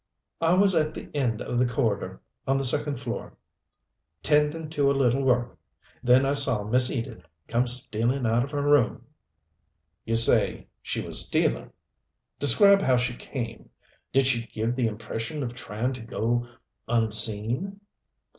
"I was at the end of the corridor on the second floor tendin' to a little work. Then I saw Miss Edith come stealin' out of her room." "You say she was 'stealing.' Describe how she came. Did she give the impression of trying to go unseen?"